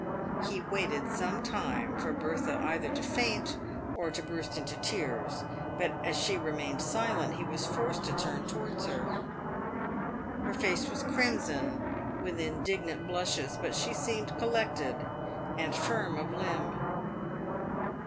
He waited some time for Bertha either to faint or burst into tears, but as she remained silent, he was forced to turn towards her. Her face was crimson with indignant blushes, but she seemed collected, and firm of limb.